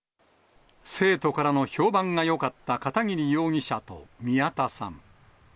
生徒からの評判がよかった片桐容疑者と宮田さん。